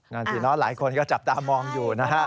นั่นสิเนอะหลายคนก็จับตามองอยู่นะฮะ